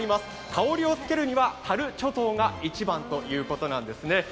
香りをつけるには樽貯蔵が一番ということなんですね。